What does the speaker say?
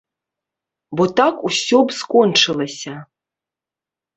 Бо так усё б скончылася.